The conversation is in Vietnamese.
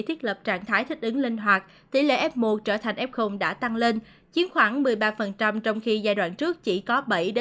thiết lập trạng thái thích ứng linh hoạt tỷ lệ f một trở thành f đã tăng lên chiếm khoảng một mươi ba trong khi giai đoạn trước chỉ có bảy năm